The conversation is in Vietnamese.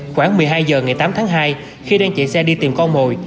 khoảng một mươi hai h ngày tám tháng hai khi đang chạy xe đi tìm con mồi